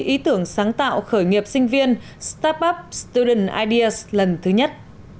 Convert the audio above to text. ý tưởng sáng tạo khởi nghiệp sinh viên step up student ideas lần thứ nhất